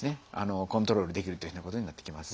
コントロールできるというふうなことになってきます。